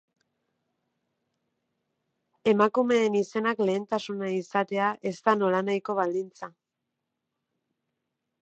Emakumeen izenak lehentasuna izatea ez da nolanahiko baldintza.